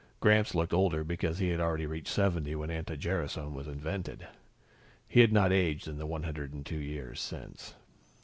Gramps looked older because he had already reached 70 when anti gerasone was invented. He had not aged in the 102 years since.